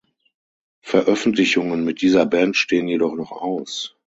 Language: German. Veröffentlichungen mit dieser Band stehen jedoch noch aus.